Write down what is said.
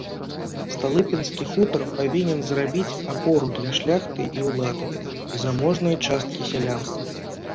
Сталыпінскі хутар павінен зрабіць апору для шляхты і ўлады і заможнай часткі сялянства.